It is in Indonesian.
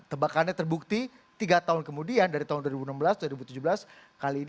tebakannya terbukti tiga tahun kemudian dari tahun dua ribu enam belas dua ribu tujuh belas kali ini